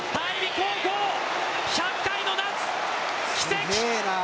高校１００回の夏奇跡。